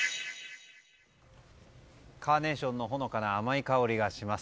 カーネーションのほのかな甘い香りがします。